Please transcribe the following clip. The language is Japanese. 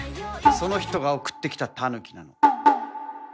その人が送ってきたタヌキなの。